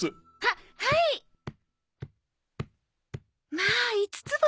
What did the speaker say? まあ五つ星。